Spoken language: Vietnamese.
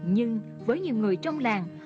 nhưng với nhiều người trong làng